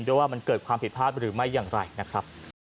ว่ามันเกิดความผิดพลาดหรือไม่อย่างไรนะครับ